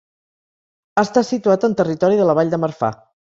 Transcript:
Està situat en territori de la Vall de Marfà.